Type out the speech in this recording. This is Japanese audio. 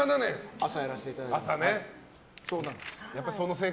朝やらせていただいて。